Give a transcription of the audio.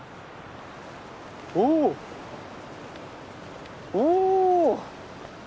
おおっお！